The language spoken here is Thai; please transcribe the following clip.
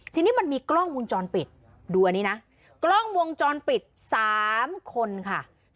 ทีนี้มันมีกล้องวงจรปิดดูอันนี้นะกล้องวงจรปิด๓คนค่ะ